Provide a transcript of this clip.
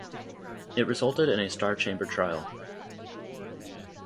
It resulted in a Star Chamber trial.